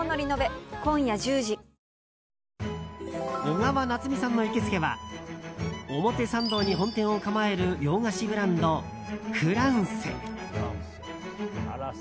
小川菜摘さんの行きつけは表参道に本店を構える洋菓子ブランド、フランセ。